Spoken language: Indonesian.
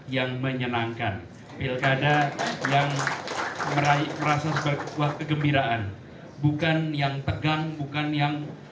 yang menyenangkan pilkada yang meraih merasa sebuah kegembiraan bukan yang tegang bukan yang